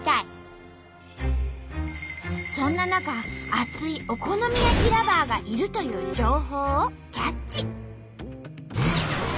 そんな中熱いお好み焼きＬｏｖｅｒがいるという情報をキャッチ！